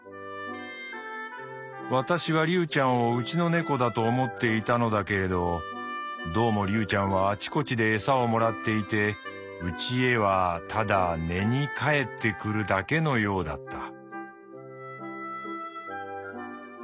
私はリュウちゃんをうちの猫だと思っていたのだけれどどうもリュウちゃんはあちこちで餌をもらっていてうちへはただ寝に帰ってくるだけのようだった」。